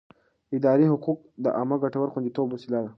اداري حقوق د عامه ګټو د خوندیتوب وسیله ده.